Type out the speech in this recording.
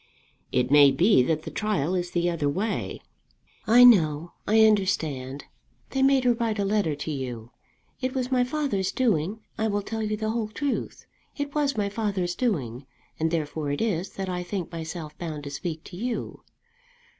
"It may be that the trial is the other way." "I know; I understand. They made her write a letter to you. It was my father's doing. I will tell you the whole truth. It was my father's doing, and therefore it is that I think myself bound to speak to you.